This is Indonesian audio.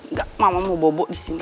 nggak mama mau bobo disini